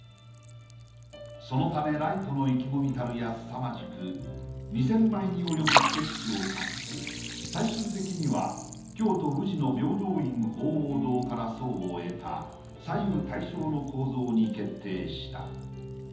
そのためライトの意気込みたるやすさまじく２，０００枚に及ぶスケッチを描き最終的には京都宇治の平等院鳳凰堂から想を得た左右対称の構造に決定した。